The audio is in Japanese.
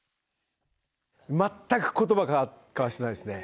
全くことば交わしてないですね。